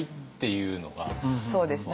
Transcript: そうですね。